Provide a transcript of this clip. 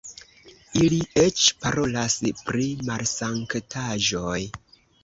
Ili eĉ parolas pri malsanktaĵoj!